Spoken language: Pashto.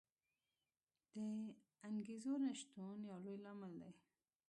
د انګېزو نه شتون یو لوی لامل دی.